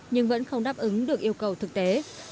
nhưng vẫn không đáp ứng được yêu cầu thực tế